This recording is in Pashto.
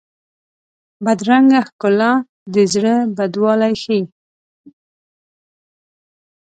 بدرنګه ښکلا د زړه بدوالی ښيي